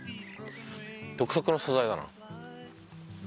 独特の素材だな。